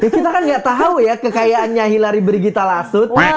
kita kan gak tau ya kekayaannya hilary brigitta lasut